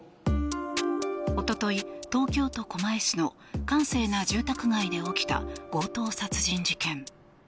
おととい、東京都狛江市の閑静な住宅街で起きた強盗殺人事件。